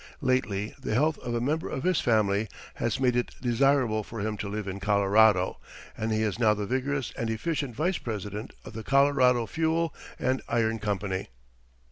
Lately the health of a member of his family has made it desirable for him to live in Colorado, and he is now the vigorous and efficient vice president of the Colorado Fuel and Iron Company.